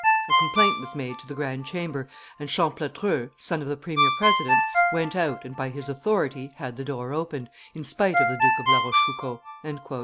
A complaint was made to the grand chamber, and Champlatreux, son of the premier president, went out, and, by his authority, had the door opened, in spite of the Duke of La Rochefoucauld."